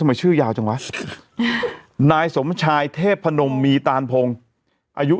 มาชื่อยาวจังวะนายสมชายเทพนมมีตานพงศ์อายุ